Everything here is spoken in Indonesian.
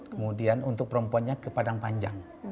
kemudian untuk perempuannya ke padang panjang